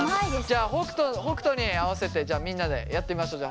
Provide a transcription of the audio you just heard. じゃあ北斗に合わせてじゃあみんなでやってみましょう。